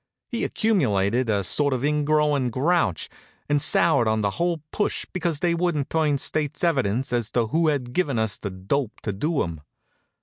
He accumulated a sort of ingrowin' grouch and soured on the whole push because they wouldn't turn state's evidence as to who had given us the dope to do 'em.